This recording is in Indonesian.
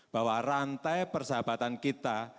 bahwa rantai persahabatan kita